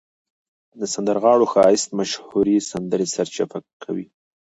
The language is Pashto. د سندرغاړو ښایسته مشهورې سندرې سرچپه کوي.